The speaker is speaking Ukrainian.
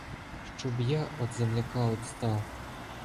Щоб я од земляка одстав.